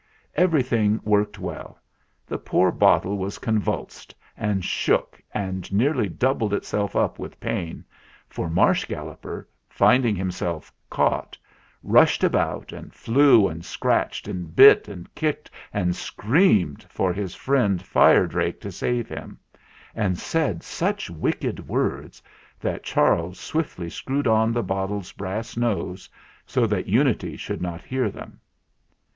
Everything worked well; the poor bottle was convulsed and shook and nearly doubled itself up with pain, for Marsh Galloper, finding himself caught, rushed about and flew and scratched and bit and kicked and screamed for his friend Fire Drake to save him, and said such wicked words, that Charles swiftly screwed on the bottle's brass nose, so that Unity should not hear them.